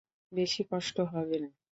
বেশি কষ্ট হবে না।